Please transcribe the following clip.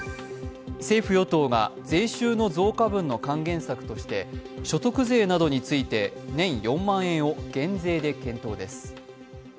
政府・与党が税収の増税分の還元策として所得税などについて年４万円を減税で検討です。